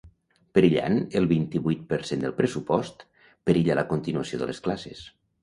Perillant el vint-i-vuit per cent del pressupost, perilla la continuació de les classes.